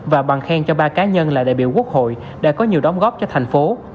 và bằng khen cho ba cá nhân là đại biểu quốc hội đã có nhiều đóng góp cho thành phố